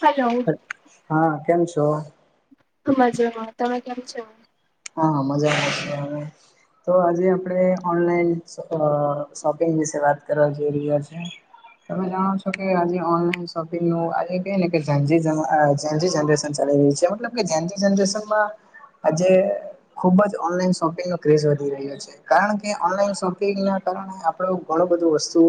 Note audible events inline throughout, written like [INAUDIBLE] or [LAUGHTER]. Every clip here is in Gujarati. હલો હા કેમ છો મજામાં તમે કેમ છો હા મજામાંશે તો આજે આપણે ઓનલાઈન શોપિંગ વિશે વાત કરવા જઈ રહ્યા છે તમે જાણો છો કે આજે ઓનલાન શોપિંગ ન આને ચાલી રહી છે મલબ કે જે જનરેશનમાં આજ ખુબ જ ઓનલાઈન શોપિંગ નો ક્રેઝ વધી રહ્યો છે કારણ કે ઓનલાઈન શોપિંગ ના કારણે આપડું ઘણું બધું વસ્તુ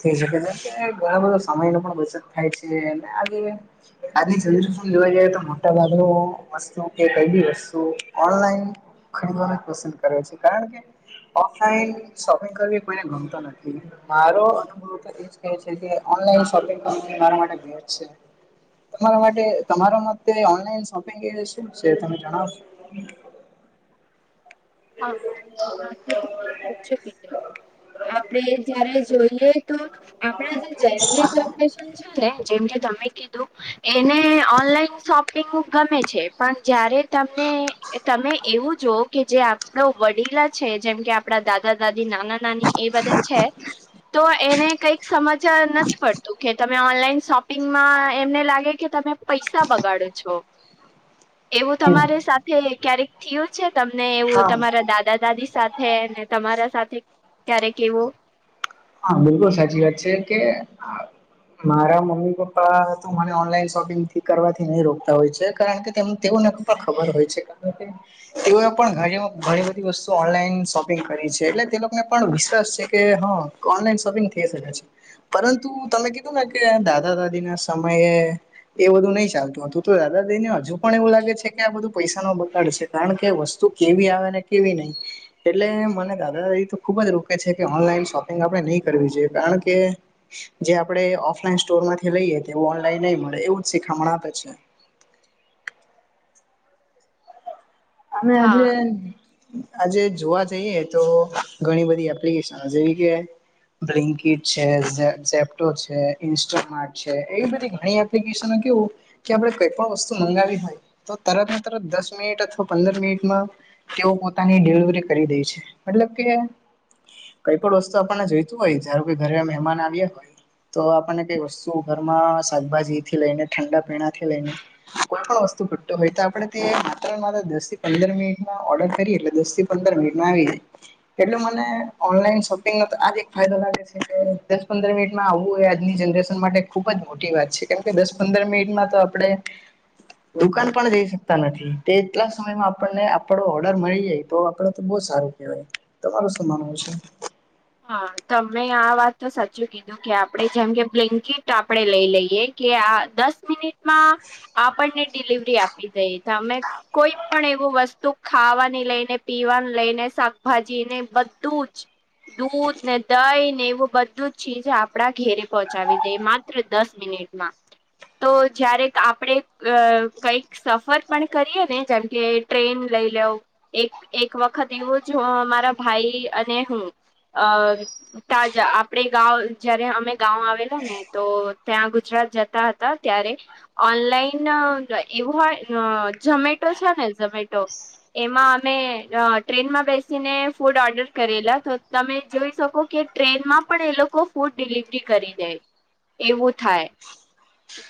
થઈ શકે છે ઘણા બધા સમય ન પણ બચત થાય છે અને આજે આજ ચલ્ફોન જોવા જઈ તો મોટા ભાગ વસ્તુ કે કઈ બી વસ્તુ ઓનલાઈન ખરીદવાનું પસંદ કરે છે કારણ કે ઓલાઈન શોપિંગ કરવી કોઈને ગમતો નથી મારો અનુભવ શોપિંગ મારા માટે છે તમારા માટે તમારા માટે ઓનલાઈન શોપિંગ એ છે તમે જણાવશો હા બા આપડે જયારે જોઈએ તો આપણા જે જ જે જેમ કે તમે એને ઓનલાઈન શોપિંગ ગમે છે પણ જ્યારે તમને તમે એવું જોઓ કે જે આપ વડીલા છે જેમ કે આપડા દાદા દાદી નાના નાની એ બધા છે તો એને કંઈક સમજ નથી પડતું કે તમે ઓનલાઈન શોપિંગમાં એમને લાગે કે તમે પૈસા બગાડો છો [UNINTELLIGIBLE] એવું તમારી સાથે ક્યારેક થયું છે તમને એવું હા તમારા દાદા દાદી સાથે ને તમારા સાથે ક્યારે કેવું હા બિલકુલ સાચી વાત છે કે મારા મમ્મી પપ્પા તો મને ઓનલાઈન શોપિંગ થી કરવાથી નહી રોકતા હોય છે કારણ કે તેમ તેવું ન ખબર હોય છે કારણ કે તેઓએ પણ ઘ ઘણી બધી વસ્તુ ઓનલાઈન શોપિંગ કરી છે એટલે તે લોકોને પણ વિશ્વાસ છે કે હનલાન શોપિંગ થઈ છે પરંતુ તમે કીધું ને કે દાદા દાદી ના સમયે એ બધું નહી ચાલતું હતું તો દાદા દાઈ ને હજુ પણ એવું લાગે છે કે આ બધું પૈસા ન બગાડ છે કારણ કે વસ્તુ કેવી આવે ને કેવી નહી એટલે મને દાદા એ તો ખુબ જ રોકે છે કે ઓનલાઈન શોપ આપડે નહી કરવી જોએ કારણ કે જે આપણે ઓફલાઈન સ્ટોર માંથી લઈએવ ઓનલાઈન નહી મળે એવું જ શીખામણ આપે છે અમેમે આજે હા આજે જોવા જઈએ તો ઘણી બધી એપ્લિકેશન જેવી કે બ્િન્કી છે ેપો છે ઇન્સ્ટમાર્ટ છે એવી બધી ઘણી આપણે કઈ વસ્તુ માવી હોય તોરત તરત દસ મિનિટ પંદર મિનિટમાં તેઓ પોતાની ડિલિવરી કરી દે છે મતલબ કે કઈ પણ વસ્તુ આપણને જોઈતું હોય જારો કે ઘરે મહેમાન આવ્યા હોય તો આપણને કઈ વસ્તુ ઘર માં શાકભાજી થી લઈને ઠંડા પીણા થી લઈને કોઈ પણ વસ્તુ ઘટતો હોય તો આપણે તે માત્રર દસ થી પંદર મિનિટમાં ઓર્ડર કરીએ એટલે દસ થી પંદર મિનિટમાં આવી જાય એટલે મને ઓનલાઈન શોપિંગ ન તો આજ એક ફાયદો લાગે છે કે દસ પંદર મિનિટમાં આવવું હોય આજની જનરેશન માટે ખુબ જ મોટી વાત છે કેમ કે દસ પંદર મિનિટમાં તો આપણે દુકાન પણ જઈ શકતા નથી તે કેટલા સમયમાં આપણને આપણો ઓર્ડર મળી જાય તો આપડ તો બહુ સારું કહેવાય તમાર સમાન હ છે હા તમે આ વાત તો સાચું કીધું કે આપડણે જેમ કે બ્લેન્કેટ આપડણે લઈ લઈએ કે આ દસ મિનિટ માં આપણને ડિલિવરી આપી દઈ ત અમે કોઈ પણ એવું વસ્તુ ખાવાની લઈને પીવાની લઈને શાકભાજીને બધું જ દૂધ ને દહી ને એવું બધું જ ચીજ આપડા ઘેરે પહોંચાવી દે મા દસ મિનિટમાં તો જય્યારે આપણે અ કઈક સફર પણ કરીએ ને જેમ કે ટ્રેન લઈ લવ એક એક વખત એવું જ મારા ભાઈ અને હું અ તાજા આપડ ગાં જયારે અમે ગાવ આવેલા ને તો ત્યાં ગુજરાત જતા હતા ત્યારે ઓનલાઈન એવું હોય ઝોમેટો છે ને ઝોમેટો એમાં અમે ટ્રેનમાં બેસીને ફૂડ ઓર્ડર કરેલા તો તમે જોઈ શકો કે ટ્રેન માં પણ એ લોકો ફૂડ ડિલિવરી કરી દે એવું થાય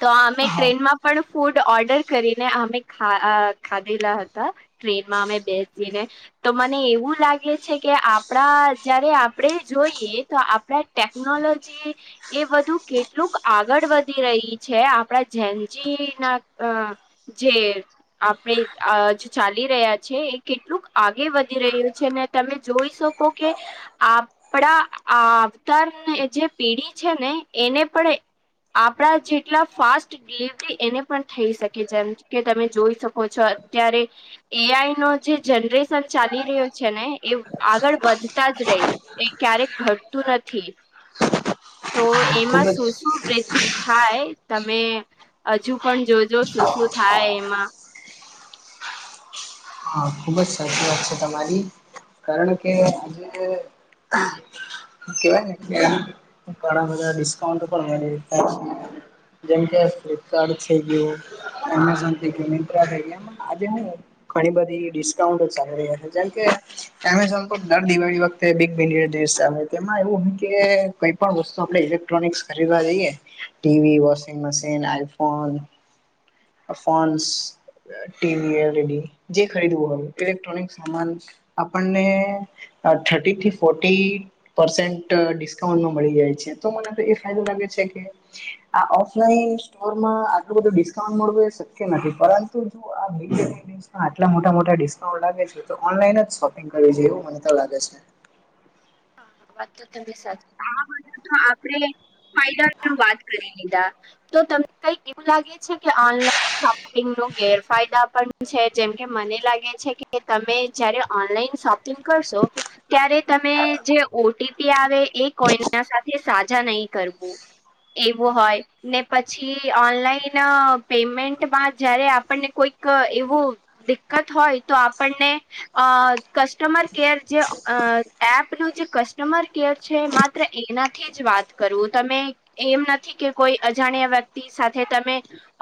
તો અમે ટ્રેનમાં પણ ફૂડ ઓર્ડર કરીને અમેા ખાધેલા હતા ટ્રેન માં અમે બેસ જને તો મને એવું લાગે છે કે આપણા જયારે આપણેે જોઈએ તો આપણા ટેકનોલોજી એ બધું કેટલુંક આગળ વધી રહી છે આપણા જેલજી ના જે આપણે આ જે ચાલી રહ્યા છે એ કેટલુંક આગે વધી રહ્યું છે ને તમે જોઈ શકો કે આપણા આવતા જે પેઢી છે ને એને પણ આપણા જે કેટલા ફાસ્ટ ડિલિવરી એને પણ થઈ શકે જેમ કે તમે જોઈ શકો છો અત્યારે એઆઈ નો જે જનરેશન ચાલી રહ્યો છે ને એ આગળ વધતા જ રહી એ ક્યારેક ઘટતું નથી તો હા ખૂબ જ એમાં શું શું વૃદ્ધિ થાય, તમે હજુ પણ જો જો, શું શું થાય એમાં? હા, ખુબ જ સાચી વાત છે તમારી, કારણ કે આજે [UNINTELLIGIBLE] કણા ડિસ્કાઉન્ટ કોડ જેમ કે ફ્લિપકાર્ટ થ ગયું એમેઝોન થ ગયું મન્ટ્રા થ ગયો એ આજે ન ઘણી બધી ડિસ્કાઉન્ટ ચાલી ર્યા છે જેમ કે તમે સમભગ દર દિવાળી વખતે બિગ બિલય દિવ એમાં એવું હોય કે વસ્તુ આપણે ઇલેક્ટ્રોનિક્સ ખરીદવા જઈએ ટીવી વોશિંગ મશન આઈફોન ફો ટીવી જે ખરીવું ઇલેક્ટ્રોનિક સામાન આપણને થર્ટી થી ફોર્ટી પસેન્ટ ડિસ્કાઉન્ટ મળી જાય છે, તો મને તો એ ફાયદો લાગે છે કે આ ઓફલાઈન સ્ટોરમાં આટલું બધું ડિ એવું એ શક્ય નથી, પરંતુ જો આ બીજ આટલા મોટા મોટા ડિસ્કાઉન્ટ લાગે છે, તો ઓનલાઈન જ શોપિંગ કરવી જોઈ, એવું મને તો લાગે છે. વાત તો તમને સાચી, આ તો આપડે ફાયદા વાત કરી લીધા, તો તમને કંઈક એવું લાગે છે કે, ઓનલાઇન શોપિંગ ના ગેરફાયદા પણ છે, જેમકે મને લાગે છે કે, તમે જયારે ઓનલાઈન શોપ કરશો ત્યારે તમે જે ઓટીપી આવે, એ કોઈના સાથે શેર નહીં કરવું એવું હોય. ને પછી, ઓનલાઈન પેમેન્ટમાં જયારે આપણને કોઈક એવું દિકકત હોય તો, આપણને અ કસ્ટમર કેર જે એપ આપું જે કસ્ટમર કેર છે, માત્ર એનાથી જ વાત કરું તમે. એમ નથી કે, કોઈ અજાણ્યા વ્યક્તિ સાથે તમે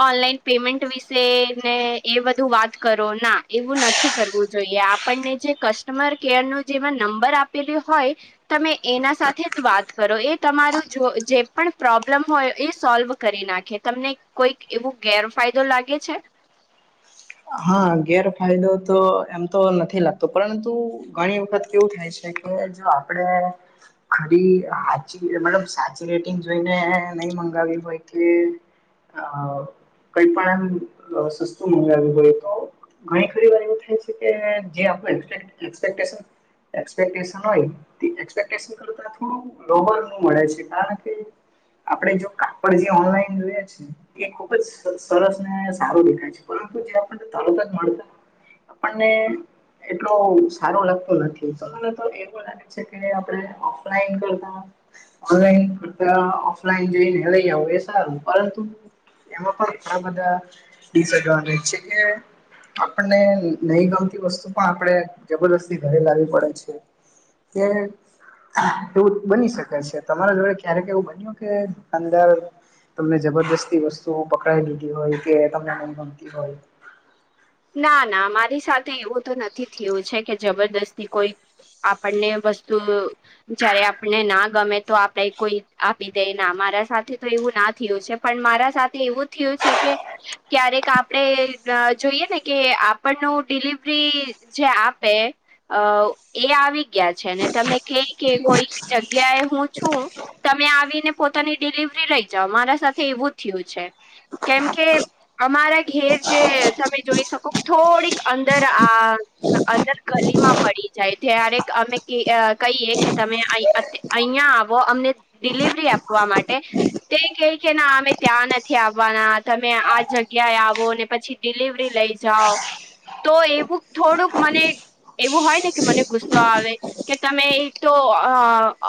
ઓનલાઈન પેમેન્ટ વિશે ને એ બધું વાત કરો ના, એવું નથી કરવું જોઈએ આપ આપણને જે કસ્ટમર કેર નું, જેમાં નંબર આપેલ હોય. તમે એના સાથે જ વાત કરો. એ તમારું જો જે પણ પ્રોબ્લેમ હોય, એ સોલ્વ કરી નાખે, તમને કોઈક એવો ગેરફાયદો લાગે છે? હા, ગેરફાયદો તો એમ તો નથી લાગતો, પરંતુ ઘણી વખત કેવું થાય છે? એ જો આપડે ખરી સાચી, મતલબ સાચી રેટિંગ જોઈને નહી મગાવી હોય કે? અ કંઈ પણ એમ સસ્તું મળી આવ્યું. ણી ખ વાર એવું થાય છે કે જે એક્સપેક્ટન હોય. એક્સપેક્ટેશન કરતા થોડું લોવર નું મળે છે, કારણ કે આપડે જો કાપડ જે ઓનલાઈન જોઈય છે. એ ખુબ જ સરસ ને સારું દેખાય છે, પરંતુ જે આપણને તરત જ મળતા આપણને એટલું સારું લાગતું નથી, મને તો એવુ લાગે. કે આપણે ઓફલાઈન કરતા ઓનલાઈન કરતા ઓફલાઈન જઈને લઈ આવું એ સારું, પરંતુ એમાં પણ ઘણા બધાસડવાન્ટેજ છે કે. આપણને નહીં ગમતી વસ્તુ પણ આપણે જબરદસ્તી ઘરે લાવવી પડે છે. તે. એવું બની શકે છે, તમારા જોડે ક્યારેક એવું બન્યું કે અંદર તમને જબરજસ્તી વસ્તુઓ પકડાઈ લીધી હોય કે તમને મન ગમતી હોય? ના, ના, મારી સાથે એવું તો નથી થયું છે કે જબરદસ્તી કોઈ આપણને વસ્તુ જયારે આપને ના ગમે, તો આપડે કોઈ આપી દે. ના, મારા સાથે તો એવું ના થયું છે. પણ, મારા સાથે એવું થયું છે કે ક્યારેક આપણે જોઈએ ને કે આપણે ન ડિલિવરી જે આપે. અ, એ આવી ગયા છે ને? તમે ક કે કોઈક જગ્યાએ હું છું? તમે આવીને પોતાની ડિલિવરી લઈ જાઓ મારા સાથે એવું થયું છે કેમ કે અમારા ઘેર જે તમે જોઈ શકો થોડીક અંદર આ અંદર ગલી માં પડી જાય ત્યારે અમે કહીએ કે તમે અહિયાં આવો અમને ડિલિવરી આપવા માટે. તે કહી કે, ના, અમે ત્યાં નથી આવવાના. તમે આ જગ્યા આવો ને પછી ડિલિવરી લઈ જાઓ તો એવું થોડુંક, મને એવું હોય ને કે મને ગુસ્સો આવે. કે તમે એક તો ઓનલાન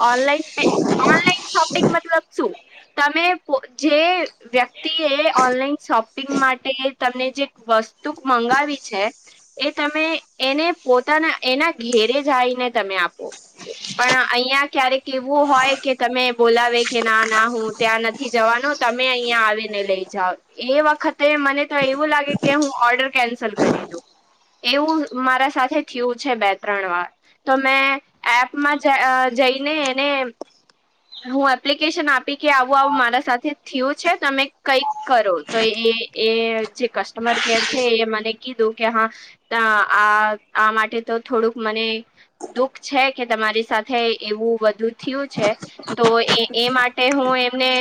ઓનલાઈન શોપિંગ, મતલબ શું? તમે પો જે વ્યક્તિ એ ઓનલાઈન શોપિંગ માટે તમને જે વસ્તુ મંગાવી છે એ તમે એને પોતાના એના ઘેરે જઈને તમે આપો પણ અહિયાં ક્યારેક એવું હોય કે તમે બોલાવે કે ના ના હું ત્યાં નથી થી જવાનું તમે અહિયાં આવીને લઈ જાાવ એ વખતે મને તો એવું લાગે કે હું ઓર્ડર કેન્સલ કરી દો એવું મારા સાથે થયું છે બે ત્રણ વાર તો મેં એપમાં જઈને એને હું એપ્લિકેશન આપી કે આવું આવું મારા સાથે થયું છે તમે કઈક કરો તો એ એ જે કસ્ટમર કેર છે એ મને કીધું કે હા આ આ માટે તો થોડુંક મને દુઃખ છે કે તમારી સાથે એવું વધુ થયું છે તો એ એ માટે હું એમને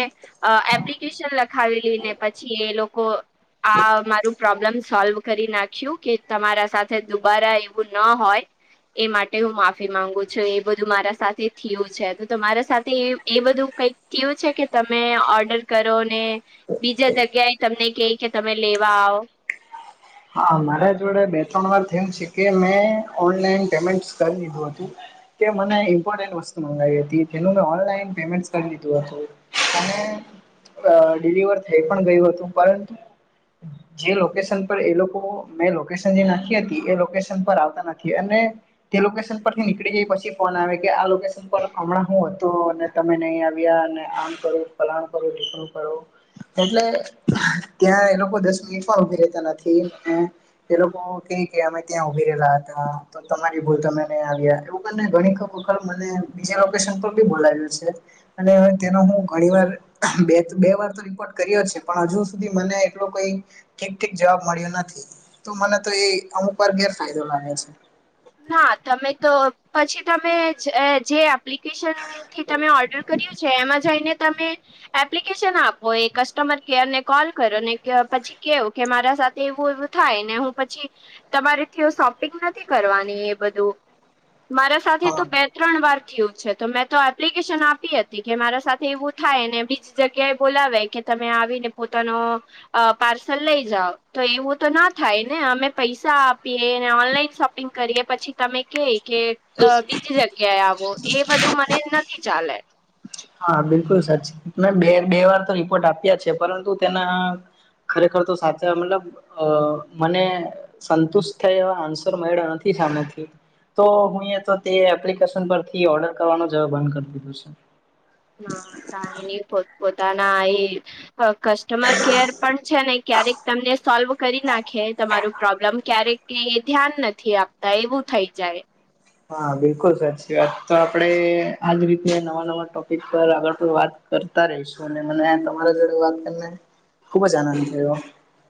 અ એપ્લિકેશન લખાવેલીને પછી એ લોકો આ મારું પ્રોબ્લેમ સોલ્વ કરી નાખ્યું કે તમારા સાથે દુબારા એવું ન હોય એ માટે હું માફી માંગુ છું એ બધું મારા સાથે થયું છે તો તમારા સાથે તે એ બધું કઈક કેયું છે કે તમે ઓર્ડર કરો ને બીજા જગ્યાએ તમને કં કે તમે લેવા આવ હા મારા જોડે બે ત્રણ વાર થયું છે કે મેં ઓનલાઈન પેમેન્ટ કરી દીધું હતું કે મને ઇમ્પોર્ટન્ટ વસ્તુ મંગાવી હતી જેનું મેં ઓનલાઈન પેમેન્ટ કરી દીધું હતું અને ડિલિવર થઈ પણ ગયું હતું પરંતુ જે લોકેશન એ લોકો મેંકેશન જે નાખી હતી એ લોકેશન પર આવતા નથી અને તે લોકેશન પરથી નીકળી ગઈ પછી ફોન આવે કે આ લોકેશન પર હમણાં હું હત તમે નહી આવ્યા અને આમ કરો પલણ કરો લીખણું કરો એટલે ત્યાં એ લોકો દસ મિનિટમાં ઉભી રતા નથી એ લોકો કે કે અમે ત્યાં ઉભી રહેલા હતા તમારી ભૂલ તમે નહી આવ્યા એવું બને ઘણી વખત મને બીજે લોકેશન પર બી બોલાવ્યું છે અને તેનો હું ઘણી વાર બે બે વાર તો રિપોર્ટ કર્યો છે પણ હજુ સુધી મને એટલું કઈ ઠીક ઠીક જવાબ નથી તો મને તો એ અમુક વાર ગેર ફાયદો લાગે છે ના તમે તો પછી તમે જે એપ્લિકેશનથી તમે ઓર્ડર કર્યું છે એમાં જઈને તમે એપ્લિકેશન આપો એ કસ્ટમર કેર ને કોલ કરો અને પછી કેવું કે મારા સાથે એવું એું થાય ને હું પછી તમારીથી સોપિંગ નથી કરવાની એ બધું મારા સાથે હા તો બે ત્રણ વાર થયું છે તો મેં તો એપ્લિકેશન આપી હતી કે મારા સાથે એવું થાય ને બીજી જગ્યાએ બોલાવે કે તમે આવીને પોતાનો અ પાર્સલ લઈ જાાવ તો એવું તો ના થાય ને અમે પૈસા આપીએ ને ઓનલાઈન શોપ કરીએ પછી તમે કે કે બ જગ્યાએ આવો એ બધું મને નથી ચાલે હા બિલકુલ સાચી મેં બે બે વાર તો રિપોર્ટ આપ્યા છે પરંતુ તેના ખરેખર તો સાચા મતલબ અ મને સંતુષ્ટ થાય એવા આન્સર મળ્યા નથી સામેથી તો હું એ તો તે એપ્લિકેશન પરથી ઓર્ડર કરવાનો જ બંધ કરી દીધું છે હા કઈની પો પોતાના એ કસ્ટમર કેર પણ છે ને ક્યારેક તમને સોલ્વ કરી નાખે તમારું પ્રોબ્લમ ક્યારેક એ ધ્યાન નથી આપતા એવું થઈ જાય હા બિલકુલ સાચી વાત તો આપણે આજ રીતે નવા નવા ટોપિક પર આગળ કોઈ વાત કરતા રહીશું અને મને તમારા જોડે વાત કરીને ખુબ જ આનંદ છે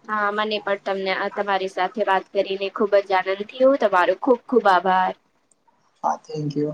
હા મને પણ તમને તમારી સાથે વાત કરીને ખુબ જ આનંદ થી હું તમારો ખુબ ખુબ આભાર હા થેન્ક યુ